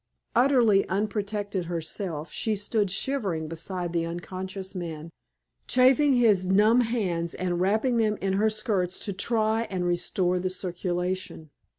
Utterly unprotected herself, she stood shivering beside the unconscious man, chafing his numb hands and wrapping them in her skirts to try and restore the circulation.